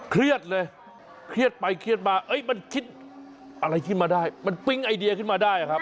เครียดเลยเครียดไปเครียดมามันคิดอะไรขึ้นมาได้มันปิ๊งไอเดียขึ้นมาได้ครับ